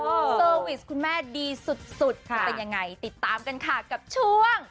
เซอร์วิสคุณแม่ดีสุดจะเป็นยังไงติดตามกันค่ะกับช่วง